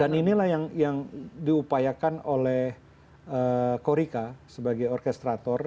dan inilah yang diupayakan oleh korika sebagai orkestrator